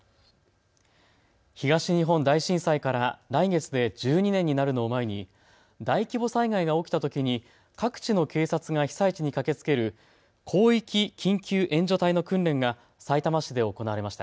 東日本大震災から来月で１２年になるのを前に大規模災害が起きたときに各地の警察が被災地に駆けつける広域緊急援助隊の訓練がさいたま市で行われました。